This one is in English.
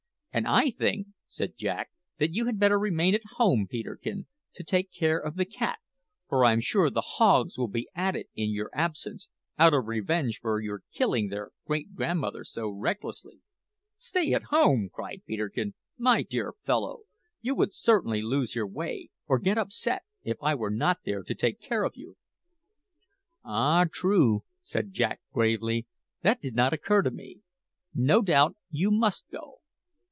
"And I think," said Jack, "that you had better remain at home, Peterkin, to take care of the cat; for I'm sure the hogs will be at it in your absence, out of revenge for your killing their great grandmother so recklessly." "Stay at home!" cried Peterkin. "My dear fellow, you would certainly lose your way, or get upset, if I were not there to take care of you." "Ah, true!" said Jack gravely; "that did not occur to me. No doubt you must go.